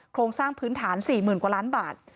โครงสร้างพื้นฐาน๔๐๐๐กว่าล้านบาท